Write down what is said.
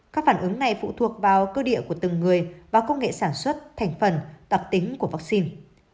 các phản ứng này phụ thuộc vào cơ địa của từng người và công nghệ sản xuất thành phần tập tính của vaccine